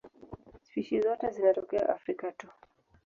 Spishi zote zinatokea Afrika tu.